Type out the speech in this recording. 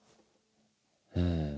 うん。